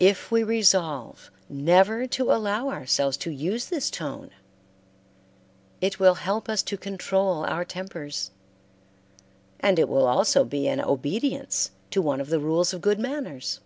If we resolve never to allow ourselves to use this tone, it will help us to control our tempers, and it will also be an obedience to one of the rules of good manners.